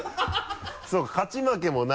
そうか勝ち負けもないし。